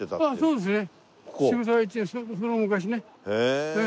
そうですね。